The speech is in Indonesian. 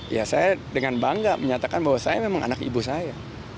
ya saya dengan bangga menyatakan bahwa saya memang anak ibu saya